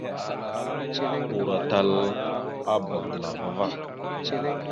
Uroatal a bbadalava va.